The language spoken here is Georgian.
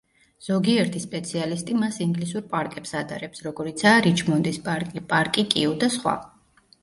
ზოგიერთი სპეციალისტი მას ინგლისურ პარკებს ადარებს, როგორიცაა რიჩმონდის პარკი, პარკი კიუ და სხვა.